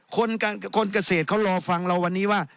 คนเกษตรเขารอฟังเราวันนี้ว่า